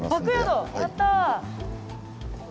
やった。